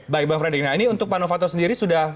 baik bang fredrik nah ini untuk pak novanto sendiri sudah